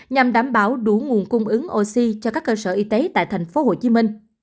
nhằm đảm bảo đủ nguồn cung ứng oxy cho các cơ sở y tế tại tp hcm